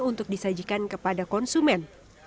untuk disajikan kepada konsumen